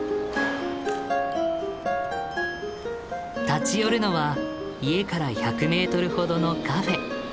立ち寄るのは家から１００ｍほどのカフェ。